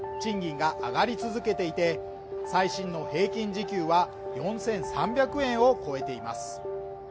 アメリカでは人手不足に伴い、賃金が上がり続けていて、最新の平均時給は４３００円を超えています。